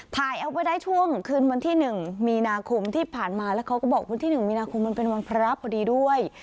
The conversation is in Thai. เอาไปได้ช่วงคืนวันที่๑มีนาคมที่ผ่านมาแล้วเขาก็บอกวันที่๑มีนาคมมันเป็นวันพระพอดีด้วย